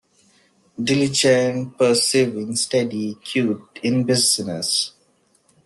Diligent, persevering, steady, acute in business.